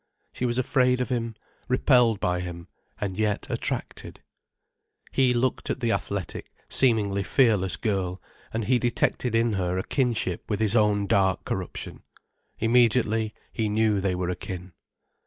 She was afraid of him, repelled by him, and yet attracted. He looked at the athletic, seemingly fearless girl, and he detected in her a kinship with his own dark corruption. Immediately, he knew they were akin.